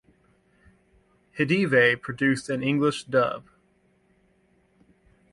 Hidive produced an English dub.